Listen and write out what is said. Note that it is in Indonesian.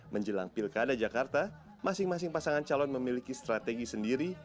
menjelang pilkada jakarta masing masing pasangan calon memiliki strategi sendiri